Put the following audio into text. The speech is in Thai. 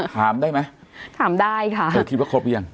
ถามได้ไหมถามได้ค่ะเธอคิดว่าครบหรือยัง